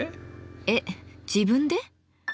えっ自分で？